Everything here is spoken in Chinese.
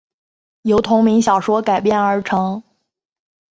由同名小说改编而成。